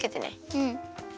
うん。